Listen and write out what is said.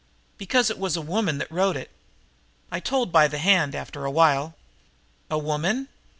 "Because it was a woman that wrote it. I told by the hand, after a while!" "A woman?